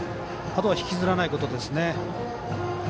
あとは引きずらないことですね。